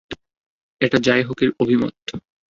এটা যাহহাকের অভিমত।